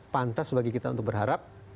pantas bagi kita untuk berharap